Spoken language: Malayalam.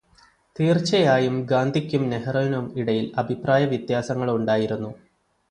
തീര്ച്ചയായും ഗാന്ധിക്കും നെഹ്രുവിനും ഇടയില് അഭിപ്രായവ്യത്യാസങ്ങളുണ്ടായിരുന്നു.